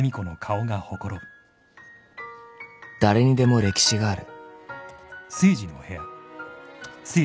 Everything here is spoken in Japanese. ［誰にでも歴史がある］